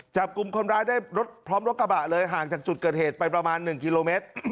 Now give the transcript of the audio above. จับกลุ่มคนร้ายได้รถพร้อมรถกระบะเลยห่างจากจุดเกิดเหตุไปประมาณ๑กิโลเมตร